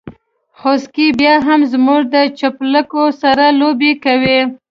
خوسکي بيا هم زموږ د چپلکو سره لوبې کوي.